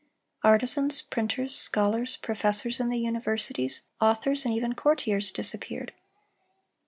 Artisans, printers, scholars, professors in the universities, authors, and even courtiers, disappeared.